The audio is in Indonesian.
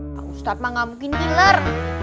pak ustadz mah gak mungkin gilar